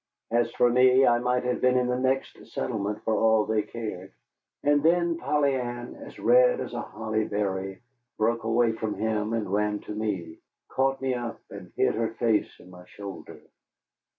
As for me, I might have been in the next settlement for all they cared. And then Polly Ann, as red as a holly berry, broke away from him and ran to me, caught me up, and hid her face in my shoulder.